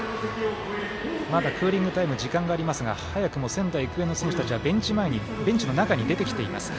まだクーリングタイム時間がありますが早くも仙台育英の選手たちはベンチの中に出てきています。